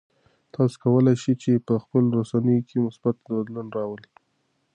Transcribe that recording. تاسو کولای شئ چې په خپلو رسنیو کې مثبت بدلون راولئ.